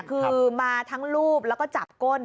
คือมาทั้งรูปแล้วก็จับก้น